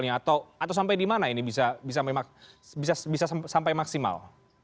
atau sampai di mana ini bisa sampai maksimal